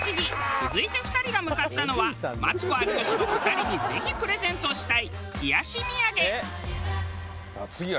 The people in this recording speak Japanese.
続いて２人が向かったのはマツコ有吉の２人にぜひプレゼントしたい冷やし土産。